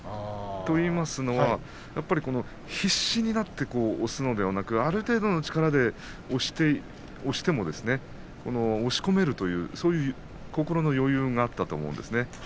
といいますのは必死になって押すのではなくてある程度の力で押しても押し込めるというそういう心の余裕があったと思うんですね。